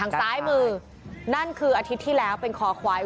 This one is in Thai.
ซ้ายมือนั่นคืออาทิตย์ที่แล้วเป็นคอควาย